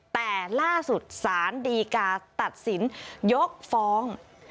แต่ล่าสุดสารดีกาตัดสินยกฟ้อง